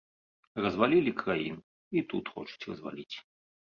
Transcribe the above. Развалілі краіну, і тут хочуць разваліць.